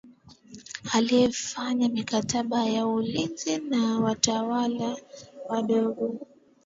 alifanya mikataba ya ulinzi na watawala wadogo